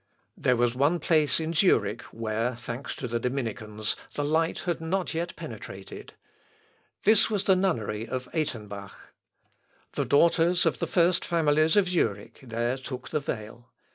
There was one place in Zurich where, thanks to the Dominicans, the light had not yet penetrated; this was the nunnery of Œtenbach. The daughters of the first families of Zurich there took the veil.